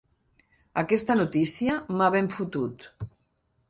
Aquesta notícia m'ha ben fotut.